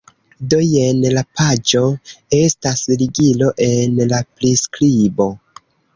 Do, jen la paĝo estas ligilo en la priskribo